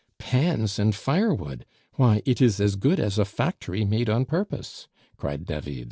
"Pans and firewood! Why, it is as good as a factory made on purpose!" cried David.